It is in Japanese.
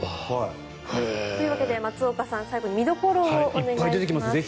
というわけで松岡さん、最後に見どころをお願いします。